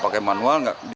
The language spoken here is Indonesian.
pakai manual gak